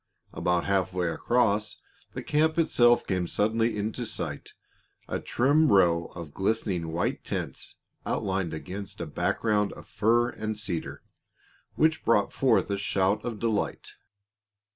About half way across, the camp itself came suddenly into sight, a trim row of glistening white tents outlined against a background of fir and cedar, which brought forth a shout of delight.